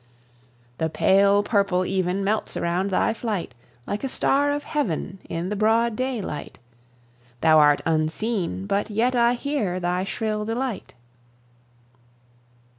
The pale purple even Melts around thy flight; Like a star of heaven, In the broad daylight Thou art unseen, but yet I hear thy shrill delight.